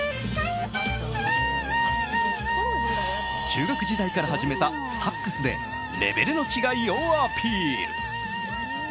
中学時代から始めたサックスでレベルの違いをアピール。